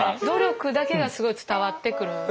努力だけがすごい伝わってくる。